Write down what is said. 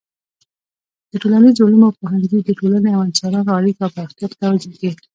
د ټولنیزو علومو پوهنځی د ټولنې او انسانانو اړیکو او پراختیا ته توجه کوي.